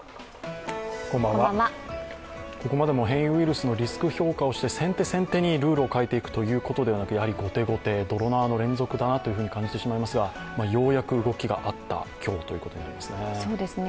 ここまでも変異ウイルスのリスク評価をして先手先手にルールを変えていくということですはなく後手後手、泥縄の連続だなという感じがありますが、ようやく動きがあった今日ということですね。